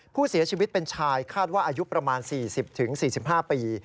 ผู้เสียชีวิตเป็นชายคาดว่าอายุประมาณ๔๐๔๕ปี